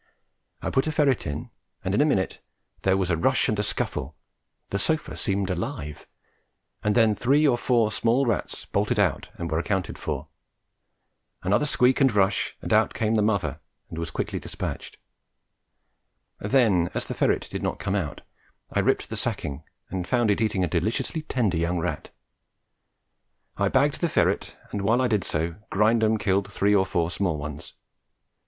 I put a ferret in, and in a minute there was a rush and scuffle, the sofa seemed alive, and then three or four small rats bolted out and were accounted for; another squeak and rush, and out came the mother and was quickly dispatched; then, as the ferret did not come out, I ripped the sacking and found it eating a deliciously tender young rat. I bagged the ferret, and while I did so, Grindum killed three or four small ones.